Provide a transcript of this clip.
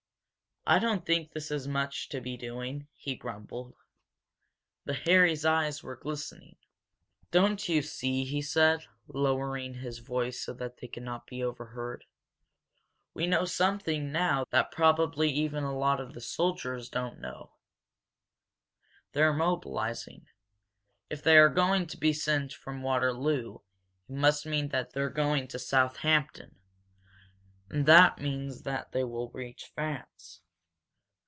"I don't think this is much to be doing!" he grumbled. But Harry's eyes were glistening. "Don't you see?" he said, lowering his voice so they could not be overheard. "We know something now that probably even a lot of the soldiers don't know! They're mobilizing. If they are going to be sent from Waterloo it must mean that they're going to Southampton and that means that they will reach France.